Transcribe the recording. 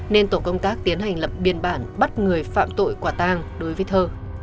nên tổ công tác tiến hành lập biên bản bắt người phạm tội quả tang đối với thơ